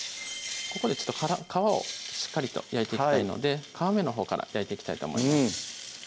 ここで皮をしっかりと焼いていきたいので皮目のほうから焼いていきたいと思います